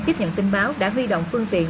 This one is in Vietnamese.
tiếp nhận tin báo đã huy động phương tiện